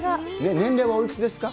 年齢はおいくつですか。